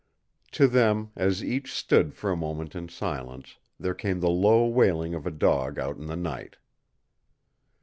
To them, as each stood for a moment in silence, there came the low wailing of a dog out in the night.